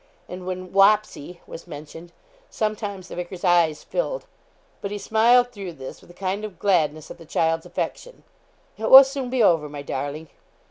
And when 'Wapsie' was mentioned, sometimes the vicar's eyes filled, but he smiled through this with a kind of gladness at the child's affection. 'It will soon be over, my darling!